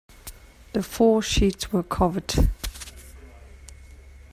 The four sheets were covered.